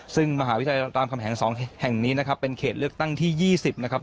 ซึ่งมหาวิทยาลัยรามคำแหง๒แห่งนี้นะครับเป็นเขตเลือกตั้งที่๒๐นะครับ